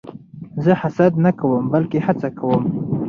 زه حسد نه کوم؛ بلکې هڅه کوم.